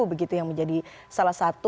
begitu yang menjadi salah satu